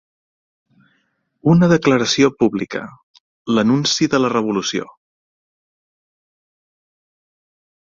Una declaració pública, l'anunci de la revolució